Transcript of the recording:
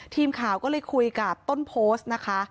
ทีมข่าวก็เลยคุยกับต้นโพสต์นะคะ